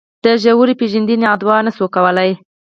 د ژورې پېژندنې ادعا نه شو کولای.